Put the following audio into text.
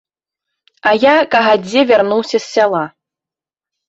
А я кагадзе вярнуўся з сяла.